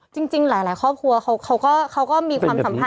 จริงหลายครอบครัวเขาก็มีความสัมพันธ